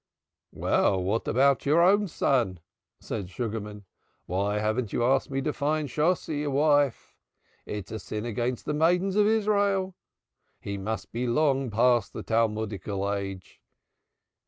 "Well, but what about your own son?" said Sugarman; "Why haven't you asked me to find Shosshi a wife? It's a sin against the maidens of Israel. He must be long past the Talmudical age."